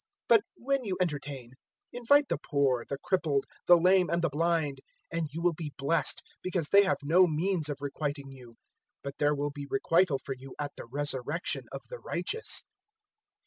014:013 But when you entertain, invite the poor, the crippled, the lame, and the blind; 014:014 and you will be blessed, because they have no means of requiting you, but there will be requital for you at the Resurrection of the righteous."